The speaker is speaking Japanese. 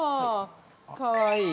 かわいい。